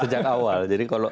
sejak awal jadi kalau